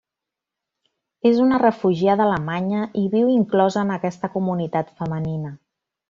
És una refugiada alemanya, i viu inclosa en aquesta comunitat femenina.